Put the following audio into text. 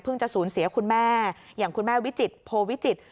เพิ่งจะศูนย์เสียคุณแม่อย่างคุณแม่วิจิตรโพวิจิตร